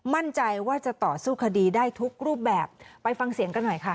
มั่นใจว่าจะต่อสู้คดีได้ทุกรูปแบบไปฟังเสียงกันหน่อยค่ะ